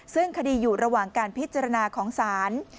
ซึ่งคดีอยู่ระหว่างการพิจารณาของศาล